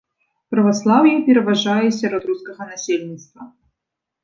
Праваслаўе пераважае сярод рускага насельніцтва.